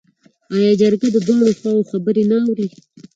آیا جرګه د دواړو خواوو خبرې نه اوري؟